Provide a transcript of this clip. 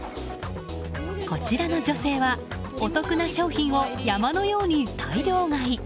こちらの女性はお得な商品を山のように大量買い。